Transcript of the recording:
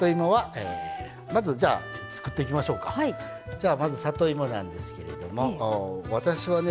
じゃあまず里芋なんですけれども私はね